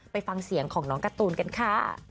ไปฟังเสียงของน้องการ์ตูนกันค่ะ